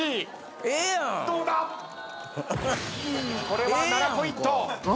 これは７ポイント。